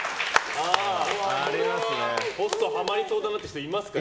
ホスト、ハマりそうだなって人いますか？